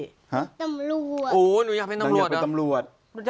ตำรวจอู๋หนูอยากเป็นตำรวจล่ะ